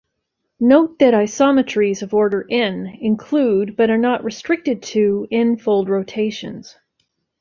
Note that isometries of order "n" include, but are not restricted to, "n"-fold rotations.